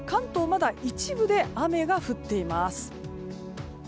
まだ一部で雨が降っています。